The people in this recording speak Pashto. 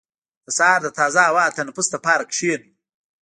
• د سهار د تازه هوا تنفس لپاره کښېنه.